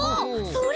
それ！